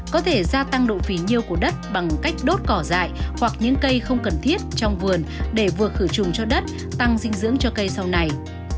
có thể gia tăng độ phí nhiêu của đất bằng cách đốt cỏ dại hoặc những cây không cần thiết trong vườn để vừa khử trùng cho đất tăng dinh dưỡng cho cây sau này